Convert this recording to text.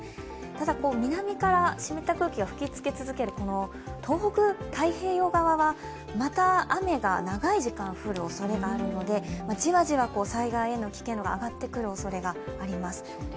ただ、南から湿った空気が吹き続ける東北、太平洋側はまた雨が長い時間降るおそれがあるので、じわじわ災害への危険度が上がってくるおそれがあります。